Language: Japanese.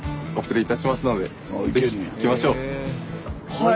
はい。